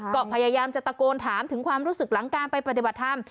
ก็พยายามจะตะโกนถามถึงความรู้สึกหลังการไปปฏิบัติธรรม